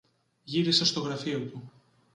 Γύρισε στο γραφείο του